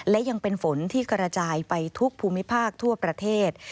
และยังเป็นฝนที่กระจายไปทุกภูมิภาคทั่วประเทศ